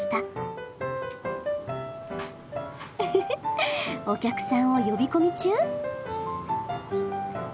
ウフフお客さんを呼び込み中？